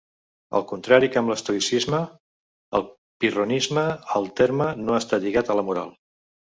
Al contrari que amb l'estoïcisme, al pirronisme el terme no està lligat a la moral.